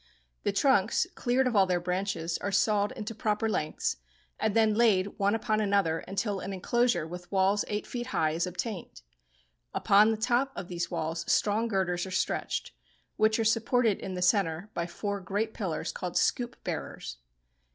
The trunks, cleared of all their branches, are sawed into proper lengths, and then laid one upon another until an enclosure with walls eight feet high is obtained. Upon the top of these walls strong girders are stretched, which are supported in the centre by four great pillars called "scoop bearers."